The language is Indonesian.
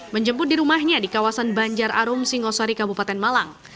menjemput di rumahnya di kawasan banjar arum singosari kabupaten malang